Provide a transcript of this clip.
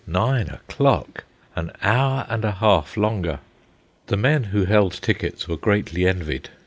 Nine o'clock! An hour and a half longer! The men who held tickets were greatly envied.